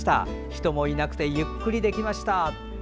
人もいなくてとってもゆっくりできました。